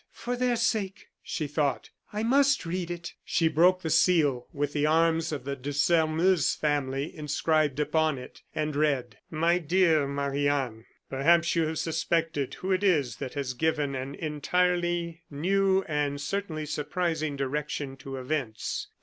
"For their sake," she thought, "I must read it." She broke the seal with the arms of the De Sairmeuse family inscribed upon it, and read: "My dear Marie Anne Perhaps you have suspected who it is that has given an entirely new, and certainly surprising, direction to events.